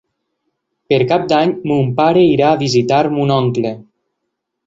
Per Cap d'Any mon pare irà a visitar mon oncle.